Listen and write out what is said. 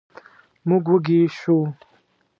موږ وږي شوو.